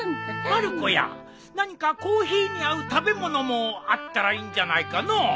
まる子や何かコーヒーに合う食べ物もあったらいいんじゃないかのう。